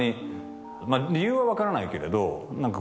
理由は分からないけれど。